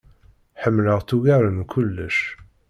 Ḥemleɣ-tt ugar n kullec.